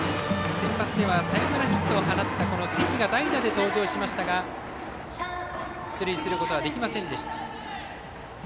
センバツではサヨナラヒットを放った関が代打で登場しましたが出塁することはできませんでした。